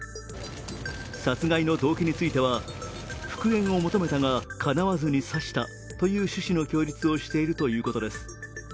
殺害の動機については、復縁を求めたがかなわずに刺したという手指の趣旨の供述をしているということです。